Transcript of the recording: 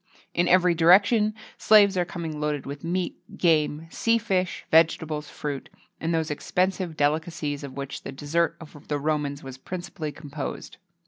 In every direction, slaves are coming loaded with meat, game, sea fish, vegetables, fruit, and those expensive delicacies of which the dessert of the Romans was principally composed.